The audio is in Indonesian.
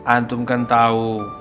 antum kan tau